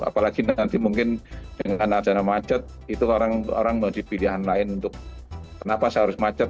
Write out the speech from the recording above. apalagi nanti mungkin dengan adanya macet itu orang menjadi pilihan lain untuk kenapa saya harus macet